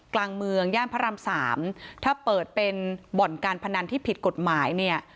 กลางเมืองย่านพระรามสามถ้าเปิดเป็นบ่อนการพนันที่ผิดกฎหมายเนี่ย